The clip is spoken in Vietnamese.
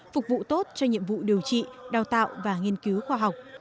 phục vụ tốt cho nhiệm vụ điều trị đào tạo và nghiên cứu khoa học